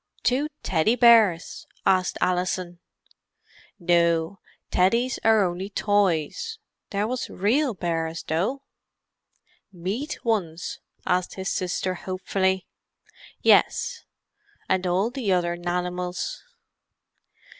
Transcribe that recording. "Two Teddy bears?" asked Alison. "No; Teddies are only toys. There was real bears, though." "Meat ones?" asked his sister hopefully. "Yes. And all the other nanimals."